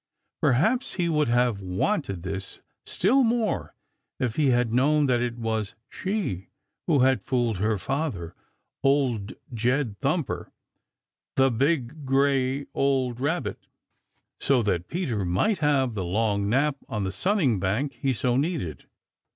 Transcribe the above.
Perhaps he would have wanted this still more if he had known that it was she who had fooled her father, Old Jed Thumper, the big, gray, old Rabbit, so that Peter might have the long nap on the sunning bank he so needed.